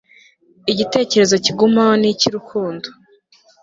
igitekerezo kigumaho ni icy'urukundo